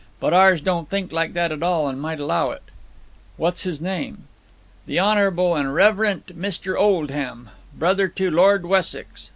But ours don't think like that at all, and might allow it.' 'What's his name?' 'The honourable and reverent Mr. Oldham, brother to Lord Wessex.